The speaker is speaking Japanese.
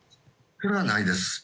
それはないです。